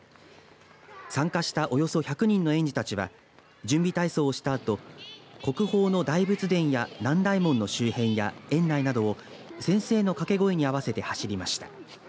参加したおよそ１００人の園児たちは準備体操をしたあと国宝の大仏殿や南大門の周辺園内などを先生の掛け声に合わせてはしりました。